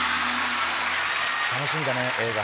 楽しみだね映画。